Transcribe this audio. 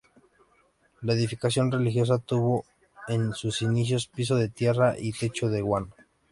La edificación religiosa tuvo en sus inicios piso de tierra y techo de guano.